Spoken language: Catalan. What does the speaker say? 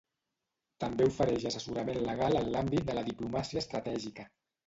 També ofereix assessorament legal en l’àmbit de la diplomàcia estratègica.